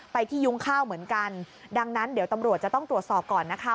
ไปที่ยุ้งข้าวเหมือนกันดังนั้นเดี๋ยวตำรวจจะต้องตรวจสอบก่อนนะคะ